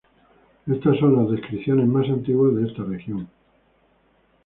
Estas son las descripciones más antiguas de esta región.